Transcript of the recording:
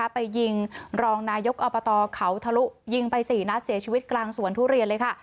ไปยิงรองนายกอบตเขาทะลุยิงไป๔นัดเสียชีวิตกลางสวนทุเรียนเลยค่ะ